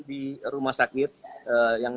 di rumah sakit yang